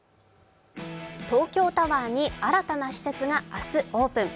東京タワーに新たな施設が明日、オープン。